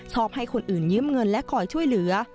ให้คนอื่นยืมเงินและคอยช่วยเหลือ